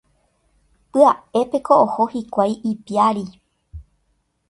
Pya'épeko oho hikuái ipiári.